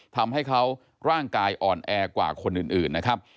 ทำให้เขาร่างกายอ่อนแอกว่าคนอื่นนะครับ